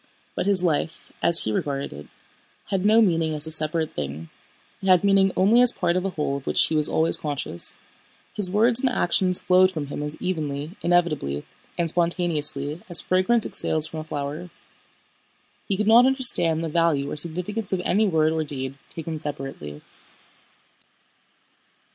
But his life, as he regarded it, had no meaning as a separate thing. It had meaning only as part of a whole of which he was always conscious. His words and actions flowed from him as evenly, inevitably, and spontaneously as fragrance exhales from a flower. He could not understand the value or significance of any word or deed taken separately.